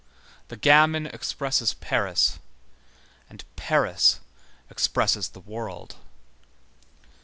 The gamin expresses Paris, and Paris expresses the world.